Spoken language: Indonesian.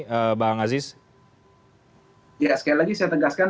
sekali lagi saya tegaskan